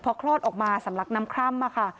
พอคลอดออกมาสำหรับน้ำคร่ำ